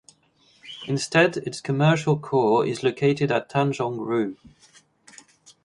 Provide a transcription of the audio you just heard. Instead, its commercial core is located at Tanjong Rhu.